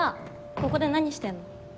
ここで何してんの？